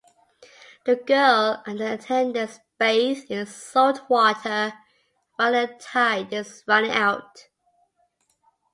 The girl and her attendants bathe in saltwater while the tide is running out.